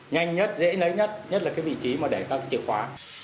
nhanh nhất dễ nấy nhất nhất là cái vị trí mà để các chìa khóa